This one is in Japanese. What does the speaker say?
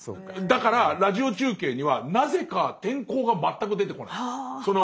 だからラジオ中継にはなぜか天候が全く出てこない。